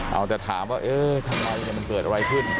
เอาแต่ถามว่าเอ๊ะทำไมมันเกิดอะไรขึ้น